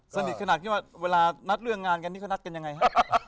สนิทขนาดคิดว่าเวลานัดเรื่องงานกันนี่เขานัดกันยังไงฮะ